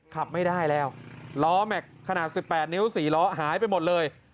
ขับไม่ได้แล้วล้อแม็กซ์ขนาด๑๘นิ้ว๔ล้อหายไปหมดเลย